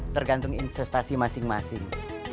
tergantung investasi masing masing